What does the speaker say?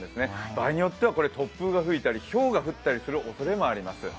場合によっては突風が吹いたりひょうが降ったりするおそれがあります。